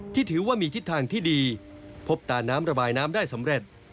ที่ถือว่ามีทิศทางที่ดีพบตาน้ำระบายน้ำได้สำเร็จ